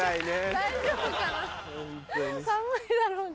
寒いだろうに。